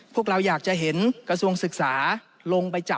พวกเราอยากจะเห็นกระทรวงศึกษา